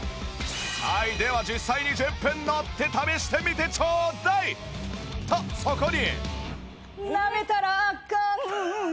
はいでは実際に１０分乗って試してみてちょうだいとそこに